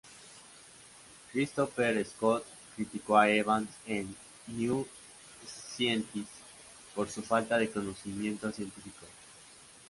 Christopher Scott criticó a Evans en "New Scientist" por su falta de conocimiento científico.